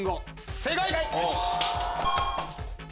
正解！